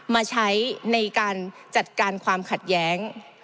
มาใช้ในการจัดการความขัดแย้ง